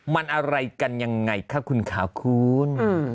มันอะไรกันอย่างไรคะคุณขาวคุณ